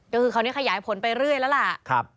ก็คือคราวนี้ขยายผลไปเรื่อยแล้วล่ะ